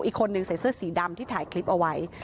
อีกคนนึงใส่เสื้อสีดำที่ถ่ายคลิปเอาไว้